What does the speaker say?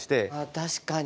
確かに。